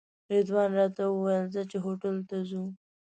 رضوان راته وویل ځه چې هوټل ته ځو.